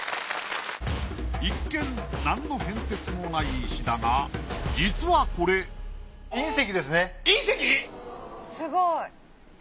一見なんの変哲もない石だが実はこれ隕石！？